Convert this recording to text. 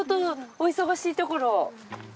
お忙しいところ。